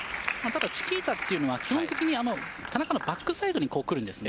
ただチキータは基本的に田中のバックサイドにくるんです。